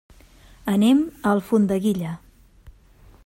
Anem a Alfondeguilla.